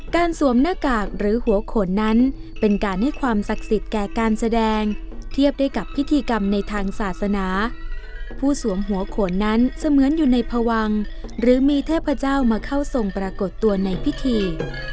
สวมหน้ากากหรือหัวโขนนั้นเป็นการให้ความศักดิ์สิทธิ์แก่การแสดงเทียบได้กับพิธีกรรมในทางศาสนาผู้สวมหัวโขนนั้นเสมือนอยู่ในพวังหรือมีเทพเจ้ามาเข้าทรงปรากฏตัวในพิธี